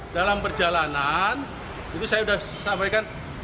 dalam perjalanan itu saya sudah sampaikan